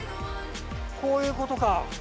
こういうことか。